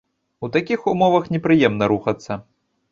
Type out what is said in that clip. У такіх умовах непрыемна рухацца.